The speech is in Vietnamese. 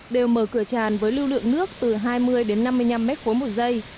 đều mở cửa tràn với lưu lượng nước từ hai mươi đến năm mươi năm m ba một giây